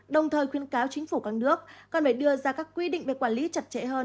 đồng thời khuyên cáo chính phủ các nước cần phải đưa ra các quy định về quản lý chặt chẽ hơn